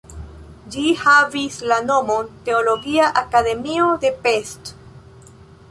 Ĝi havis la nomon "Teologia Akademio de Pest".